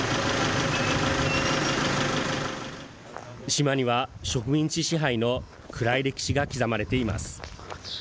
島には植民地支配の暗い歴史が刻まれています。